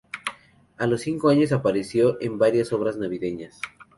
A los cinco años apareció en varias obras navideñas.